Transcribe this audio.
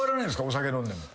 お酒飲んでも。